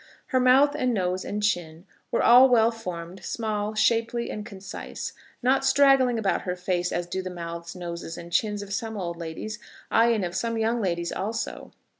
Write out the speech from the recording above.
Her mouth, and nose, and chin, were all well formed, small, shapely, and concise, not straggling about her face as do the mouths, noses, and chins of some old ladies ay, and of some young ladies also.